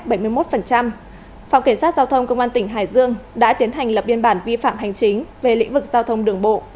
phòng cảnh sát giao thông công an tỉnh hải dương đã tiến hành lập biên bản vi phạm hành chính về lĩnh vực giao thông đường bộ